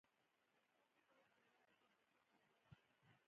احمد خپلو خپلوانو ته په چپ نظر وکتل.